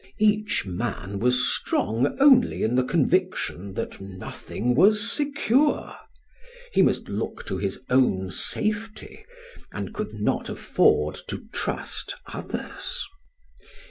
Each man was strong only in the conviction that nothing was secure; he must look to his own safety, and could not afford to trust others.